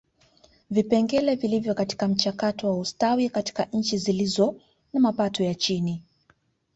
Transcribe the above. Vipengele vilivyo katika mchakato wa ustawi katika nchi zilizo na mapato ya chini